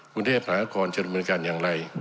กรุงเทพหานครจะดำเนินการอย่างไร